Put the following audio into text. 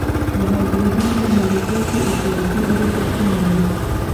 د هایدروجن په مالیکول کې اشتراکي اړیکه شتون لري.